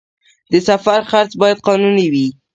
د سفر خرڅ باید قانوني وي